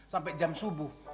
sampe jam subuh